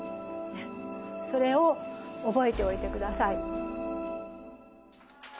それを覚えておいて下さい。